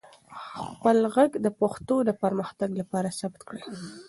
خپل ږغ د پښتو د پرمختګ لپاره ثبت کړئ.